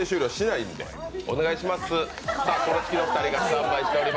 今日は強制終了しないんでお願いします。